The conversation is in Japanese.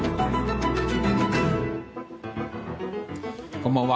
こんばんは。